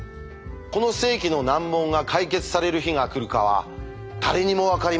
この世紀の難問が解決される日が来るかは誰にも分かりません。